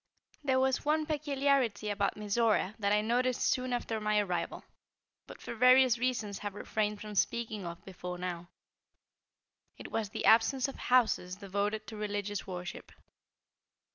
There was one peculiarity about Mizora that I noticed soon after my arrival, but for various reasons have refrained from speaking of before now. It was the absence of houses devoted to religious worship.